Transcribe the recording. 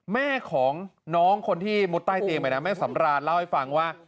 แม่ของน้องคนที่มุดใต้เตียงไปนะแม่สำรานเล่าให้ฟังว่า